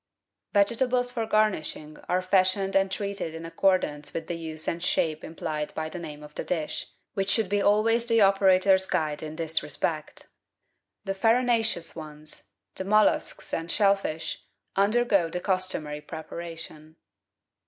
Vegetables for garnishing are fashioned and treated in ac cordance with the use and shape implied by the name of the dish, which should always be the operator's guide in this respect. The farinaceous ones, the molluscs and shell fish, undergo the customary preparation.